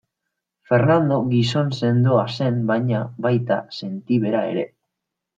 Fernando gizon sendoa zen baina baita sentibera ere.